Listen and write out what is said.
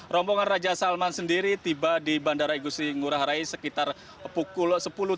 rombongan raja salman sendiri tiba di bandara igusti ngurah rai sekitar pukul sepuluh tiga puluh